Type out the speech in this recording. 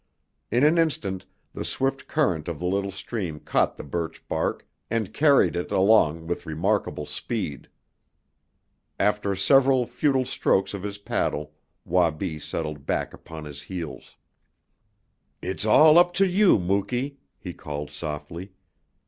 In an instant the swift current of the little stream caught the birch bark and carried it along with remarkable speed. After several futile strokes of his paddle Wabi settled back upon his heels. "It's all up to you, Muky," he called softly.